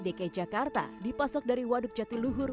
dki jakarta dipasok dari waduk jatiluhur